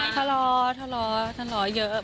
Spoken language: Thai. ทะเลาะเยอะ